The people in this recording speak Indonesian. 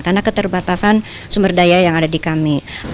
karena keterbatasan sumber daya yang ada di kami